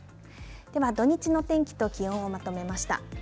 では、土日の天気と気温をまとめました。